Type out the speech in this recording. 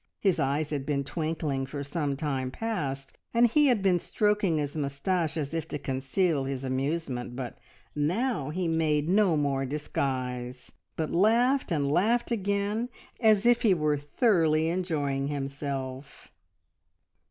His eyes had been twinkling for some time past, and he had been stroking his moustache as if to conceal his amusement, but now he made no more disguise, but laughed and laughed again, as if he were thoroughly enjoying himself.